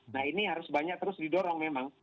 nah ini harus banyak terus didorong memang